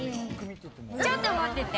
ちょっと待ってて。